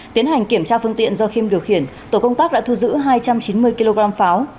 tiến hành kiểm tra phương tiện do khiêm điều khiển tổ công tác đã thu giữ hai trăm chín mươi kg pháo